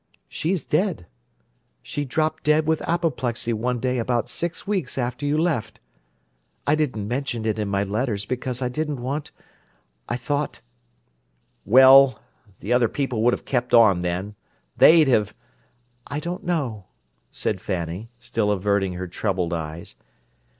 "She's dead. She dropped dead with apoplexy one day about six weeks after you left. I didn't mention it in my letters because I didn't want—I thought—" "Well, the other people would have kept on, then. They'd have—" "I don't know," said Fanny, still averting her troubled eyes.